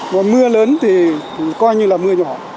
và mưa lớn thì coi như là mưa nhỏ